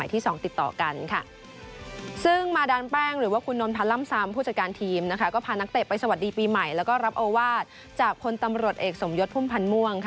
เตะไปสวัสดีปีใหม่แล้วก็รับโอวาสจากคนตำรวจเอกสมยศพุ่มพันธ์ม่วง